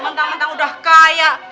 mentang mentang udah kaya